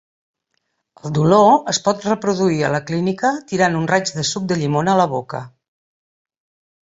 El dolor es pot reproduir a la clínica tirant un raig de suc de llimona a la boca.